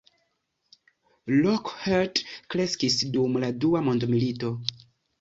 Lockheed kreskis dum la Dua mondmilito.